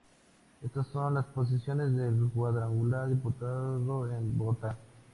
Estas son las posiciones del cuadrangular disputado en Bogotá.